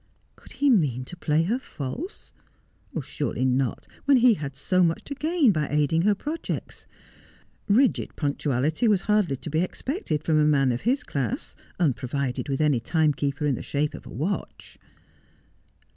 Could he mean to play her false ? Surely not, when he had so much to gain by aiding her projects. Bigid punctuality was hardly to be expected from a man of his class, unprovided with any timekeeper in the shape of a watch.